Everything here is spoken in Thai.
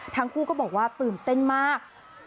ทั้งคู่ก็บอกว่าตื่นเต้นมาก